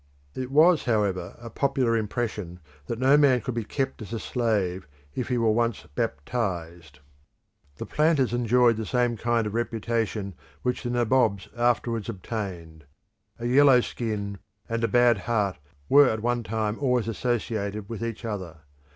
It was, however, a popular impression that no man could be kept as a slave if he were once baptised. The planters enjoyed the same kind of reputation which the nabobs afterwards obtained: a yellow skin and a bad heart were at one time always associated with each other.